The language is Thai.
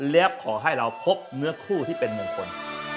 แล้วขอให้เราพบเนื้อคู่ที่เป็นมงคล